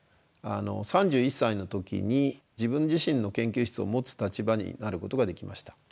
３１歳の時に自分自身の研究室を持つ立場になることができました。